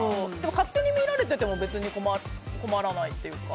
勝手に見られてても別に困らないというか。